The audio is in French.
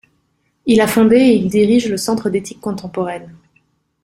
Il a fondé et il dirige le Centre d’Ethique Contemporaine.